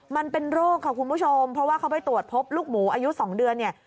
มันเป็นโรคค่ะคุณผู้ชมเพราะว่าเขาไปตรวจพบลูกหมูอายุ๒เดือนเนี่ย